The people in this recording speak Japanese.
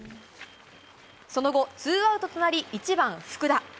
その後、ツーアウトとなり、１番福田。